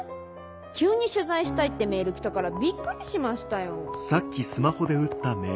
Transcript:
急に「取材したい」ってメール来たからびっくりしましたよ。